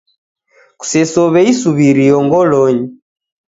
Kusesow'e isuw'irio ngolonyi.